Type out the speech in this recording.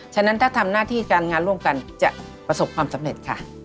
ฉะนั้นถ้าทำหน้าที่การงานร่วมกันจะประสบความสำเร็จค่ะ